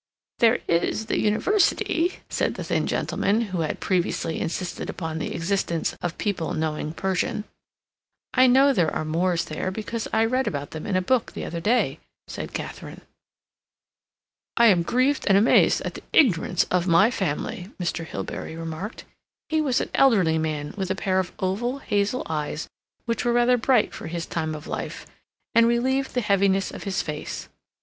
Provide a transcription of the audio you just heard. "There is the University," said the thin gentleman, who had previously insisted upon the existence of people knowing Persian. "I know there are moors there, because I read about them in a book the other day," said Katharine. "I am grieved and amazed at the ignorance of my family," Mr. Hilbery remarked. He was an elderly man, with a pair of oval, hazel eyes which were rather bright for his time of life, and relieved the heaviness of his face.